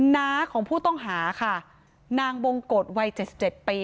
นาของผู้ต้องหาค่ะนางบงกฎวัยเจ็ดสิบเจ็ดปี